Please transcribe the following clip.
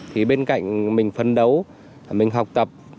thì bên cạnh mình phân đấu mình học tập